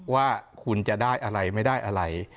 ว่าคุณจะได้อะไรไม่ได้อะไร